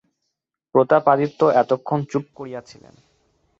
প্রতাপাদিত্য এত ক্ষণ চুপ করিয়া ছিলেন।